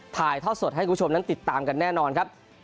ถ่ายทอดสดให้คุณผู้ชมนั้นติดตามกันแน่นอนครับ